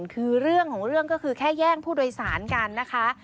คือเรื่องของเรื่องก็คือแค่แย่งผู้โดยสารกันนะคะ